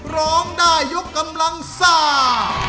ร้องได้ยกกำลังซ่า